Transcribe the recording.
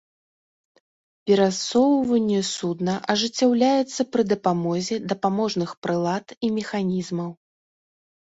Перасоўванне судна ажыццяўляецца пры дапамозе дапаможных прылад і механізмаў.